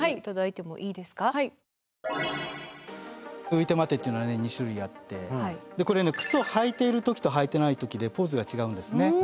ういてまてというのは２種類あってこれね靴を履いている時と履いてない時でポーズが違うんですね。